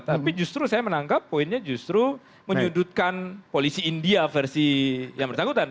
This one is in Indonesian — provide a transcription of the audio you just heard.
tapi justru saya menangkap poinnya justru menyudutkan polisi india versi yang bersangkutan